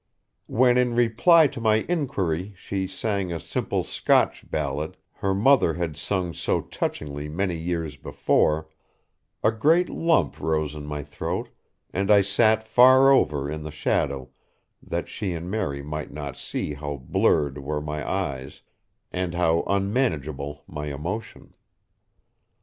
When in reply to my inquiry she sang a simple Scotch ballad her mother had sung so touchingly many years before, a great lump rose in my throat, and I sat far over in the shadow that she and Mary might not see how blurred were my eyes, and how unmanageable my emotion.